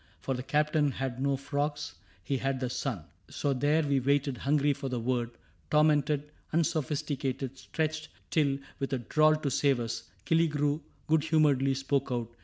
For the Captain had no frogs : he had the sun. So there we waited, hungry for the word, — Tormented, unsophisticated, stretched — Till, with a drawl, to save us, Killigrew Good humoredly spoke out.